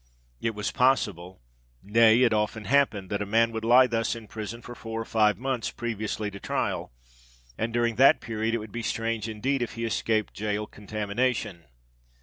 It was possible—nay, it often happened that a man would lie thus in prison for four or five months previously to trial; and during that period it would be strange indeed if he escaped gaol contamination.